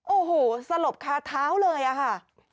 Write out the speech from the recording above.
โอ้โหสลบคาเท้าเลยอะค่ะ